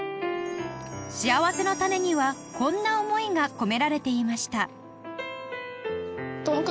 しあわせのたねにはこんな思いが込められていました